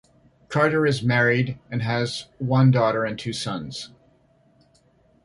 Carter is married, and has one daughter and two sons.